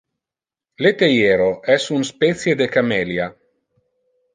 Le theiero es un specie de camellia.